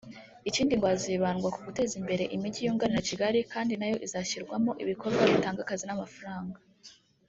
Ikindi ngo hazibandwa ku guteza imbere imijyi yunganira Kigali kandi nayo izashyirwamo ibikorwa bitanga akazi n’amafaranga